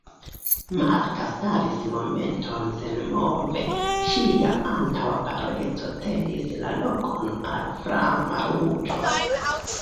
Marta staris momenton senmove, ŝia antaŭa paleco cedis la lokon al flama ruĝo.